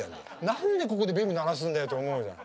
何でここでベル鳴らすんだよと思うじゃん。